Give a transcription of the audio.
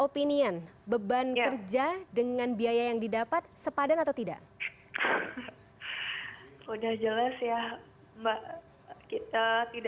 penasaran kenapa mbak shalini